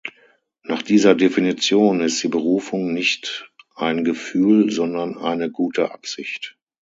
Nach dieser Definition ist die Berufung nicht ein Gefühl, sondern eine gute Absicht.